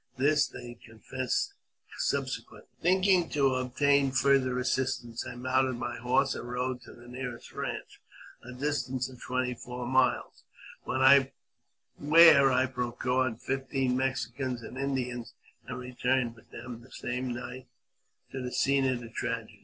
This they confessed subse quently. Thinking to obtain farther assistance, I mounted my horse and rode to the nearest ranch, a distance of twenty four miles, where I procured fifteen Mexicans and Indians, and returned with them the same night to the scene of the tragedy.